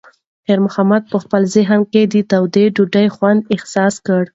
خیر محمد په خپل ذهن کې د تودې ډوډۍ خوند حس کړ.